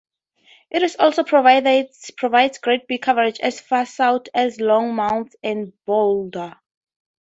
It also provides grade B coverage as far south as Longmont and Boulder.